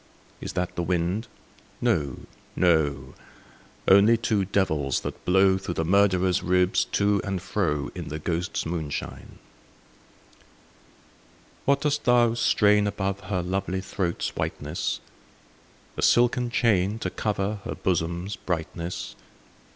Is that the wind ? No, no ; Only two devils, that blow Through the murderer's ribs to and fro. In the ghosts' moi^ishine. THE GHOSTS* MOONSHINE, 39 III. What dost thou strain above her Lovely throat's whiteness ? A silken chain, to cover Her bosom's brightness